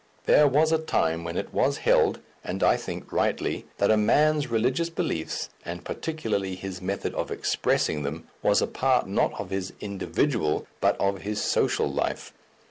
There was a time when it was held and I think rightly that a man's religious beliefs, and particularly his method of expressing them, was a part not of his individual but of his social life.